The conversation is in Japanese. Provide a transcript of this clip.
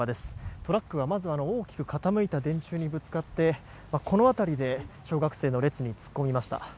トラックはまずあの大きく傾いた電柱にぶつかってこの辺りで小学生の列に突っ込みました。